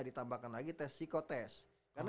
ditambahkan lagi tes psikotest karena